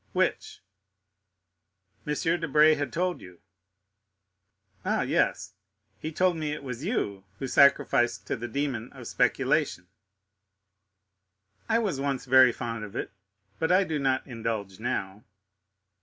"Which?" "M. Debray had told you——" "Ah, yes; he told me it was you who sacrificed to the demon of speculation." "I was once very fond of it, but I do not indulge now."